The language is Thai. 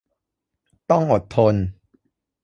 ต้องอดทน